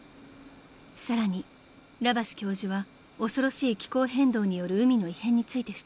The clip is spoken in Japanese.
［さらにラバシ教授は恐ろしい気候変動による海の異変について指摘します］